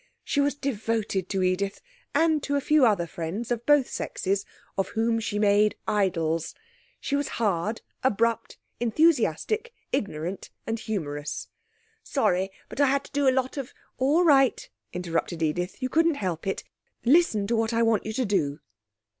She was devoted to Edith, and to a few other friends of both sexes, of whom she made idols. She was hard, abrupt, enthusiastic, ignorant and humorous. 'Sorry, but I had to do a lot of ' 'All right,' interrupted Edith. 'You couldn't help it. Listen' to what I want you to do.'